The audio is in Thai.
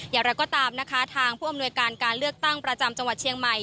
อย่างไรก็ตามนะคะทางผู้อำนวยการการเลือกตั้งประจำจังหวัดเชียงใหม่